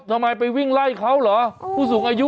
ทำไมไปวิ่งไล่เขาเหรอผู้สูงอายุ